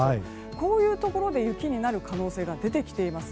こういうところで雪になる可能性が出てきています。